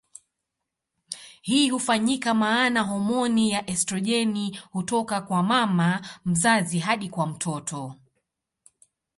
Hii hufanyika maana homoni ya estrojeni hutoka kwa mama mzazi hadi kwa mtoto.